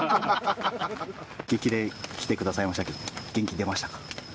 激励に来てくださいましたけど、元気出ましたか？